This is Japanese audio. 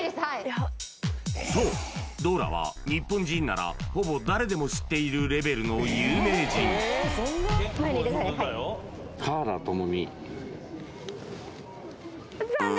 そうドーラは日本人ならほぼ誰でも知っているレベルの有名人残念！